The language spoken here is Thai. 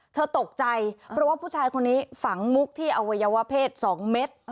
เธอตกใจเพราะว่าผู้ชายคนนี้ฝังมุกที่อวัยวะเพศ๒เม็ด